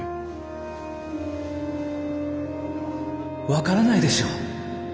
分からないでしょう。